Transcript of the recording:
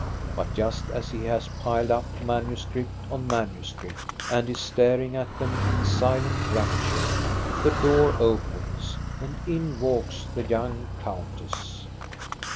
But just as he has piled up manuscript on manuscript, and is staring at them in silent rapture, the door opens, and in walks the young countess.